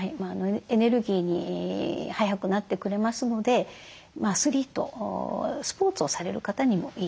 エネルギーに早くなってくれますのでアスリートスポーツをされる方にもいいです。